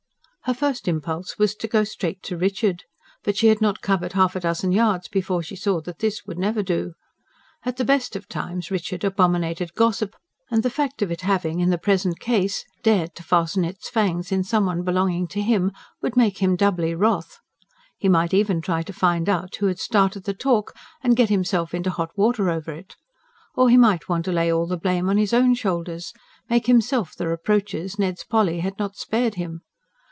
Her first impulse was to go straight to Richard. But she had not covered half a dozen yards before she saw that this would never do. At the best of times Richard abominated gossip; and the fact of it having, in the present case, dared to fasten its fangs in some one belonging to him would make him doubly wroth. He might even try to find out who had started the talk; and get himself into hot water over it. Or he might want to lay all the blame on his own shoulders make himself the reproaches Ned's Polly had not spared him.